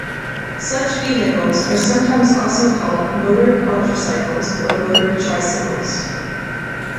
Such vehicles are sometimes also called "motor quadricycles" or "motor tricycles".